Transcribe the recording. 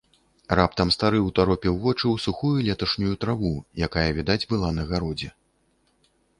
Раптам стары ўтаропіў вочы ў сухую леташнюю траву, якая відаць была на гародзе.